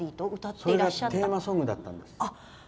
それがテーマソングだったんです。